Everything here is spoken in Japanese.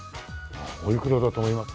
おいくらだと思います？